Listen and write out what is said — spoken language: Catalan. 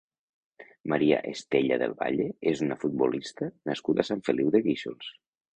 María Estella Del Valle és una futbolista nascuda a Sant Feliu de Guíxols.